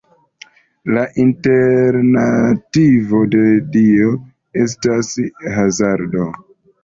La alternativo de dio estas hazardo.